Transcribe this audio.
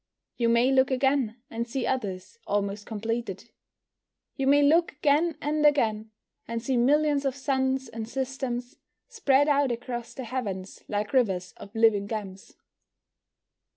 You may look again, and see others almost completed. You may look again and again, and see millions of suns and systems spread out across the heavens like rivers of living gems.